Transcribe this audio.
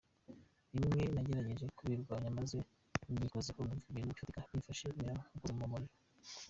Rimwe nagerageje kubirwanya maze ngikozeho numva ibintu bifatira bimfashe mera nk’ukoze mu muriro.